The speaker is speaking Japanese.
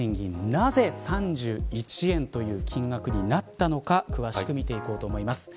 なぜ、３１円という金額になったのか詳しく見ていこうと思います。